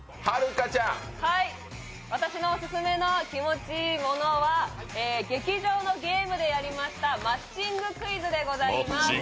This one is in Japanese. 私のオススメの気持ち良いものは劇場のゲームでやりましたマッチングクイズでございます！